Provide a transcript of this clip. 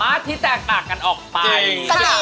วันที่เธอพบมันในหัวใจฉัน